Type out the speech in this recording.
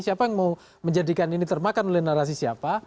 siapa yang mau menjadikan ini termakan oleh narasi siapa